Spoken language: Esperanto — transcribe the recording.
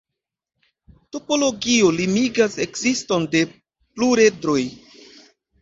Topologio limigas ekziston de pluredroj.